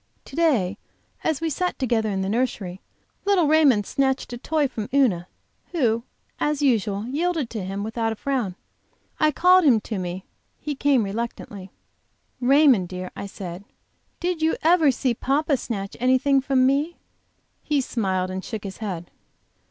To day as we sat together in the nursery, little Raymond snatched a toy from Una, who, as usual, yielded to him without a frown. I called him to me; he came reluctantly. "Raymond, dear," I said, "did you ever see papa snatch anything from me?" He smiled, and shook his head.